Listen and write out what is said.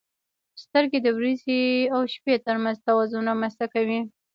• سترګې د ورځې او شپې ترمنځ توازن رامنځته کوي.